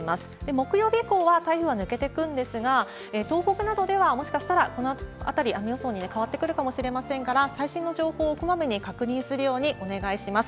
木曜日以降は台風は抜けていくんですが、東北などでは、もしかしたらこの辺り、雨予想に変わってくるかもしれませんから、最新の情報をこまめに確認するようにお願いします。